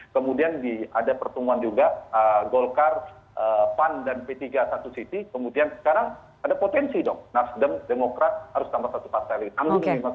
kemudian ada pertemuan juga golkar pan dan p tiga satu sisi kemudian sekarang ada potensi dong nasdem demokrat harus tambah satu partai lagi